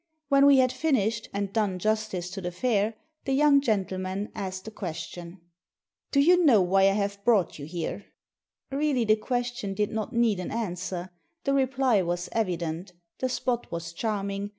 When we had finished, and done justice to the fare^ the young gentleman asked a questioa Digitized by VjOOQIC THE VIOLIN 113 " Do you know why I have brought you here ?" Really the question did not need an answer. The reply was evident The spot was charming.